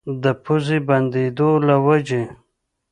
د پوزې بندېدو له وجې